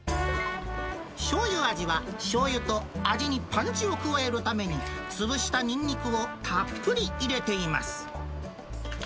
しょうゆ味は、しょうゆと味にパンチを加えるために、潰したニンニクをたっぷり入れています。